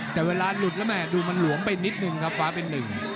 แต่เวลาหลุดแล้วแม่ดูมันหลวมไปนิดนึงครับฟ้าเป็นหนึ่ง